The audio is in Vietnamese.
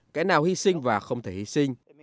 cái nào hy sinh và không thể hy sinh